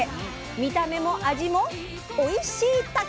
見た目も味もおいしいたけ⁉